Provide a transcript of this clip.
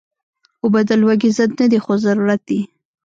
اوبه د لوږې ضد نه دي، خو ضرورت دي